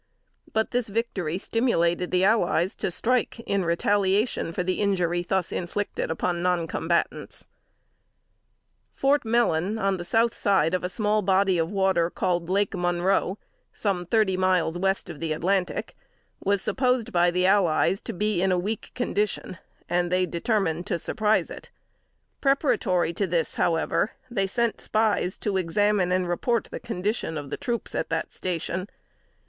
But this victory stimulated the allies to strike in retaliation for the injury thus inflicted upon non combatants. [Sidenote: 1837.] Fort Mellon, on the south side of a small body of water called Lake Monroe, some thirty miles west of the Atlantic, was supposed by the allies to be in a weak condition, and they determined to surprise it. Preparatory to this, however, they sent spies to examine and report the condition of the troops at that station.